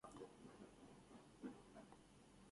君はそれを見て、黄色い車の中にあった紙？ときいた